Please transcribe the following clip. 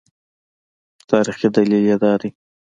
تاریخي دلیل یې دا دی.